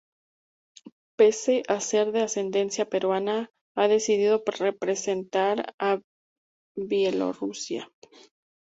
Pese a ser de ascendencia peruana, ha decidido representar a Bielorrusia.